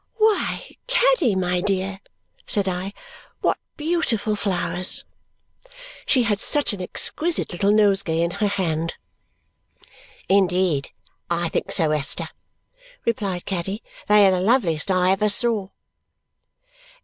"Why, Caddy, my dear," said I, "what beautiful flowers!" She had such an exquisite little nosegay in her hand. "Indeed, I think so, Esther," replied Caddy. "They are the loveliest I ever saw."